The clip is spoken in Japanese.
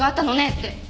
って。